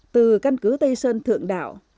từ căn cứ tây sơn thượng đạo